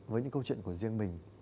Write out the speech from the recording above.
với những câu chuyện của riêng mình